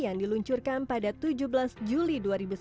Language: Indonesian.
yang diluncurkan pada tujuh belas juli dua ribu sembilan belas